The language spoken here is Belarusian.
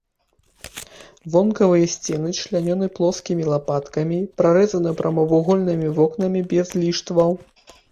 Вонкавыя сцены члянёны плоскімі лапаткамі, прарэзаны прамавугольнымі вокнамі без ліштваў.